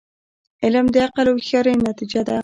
علم د عقل او هوښیاری نتیجه ده.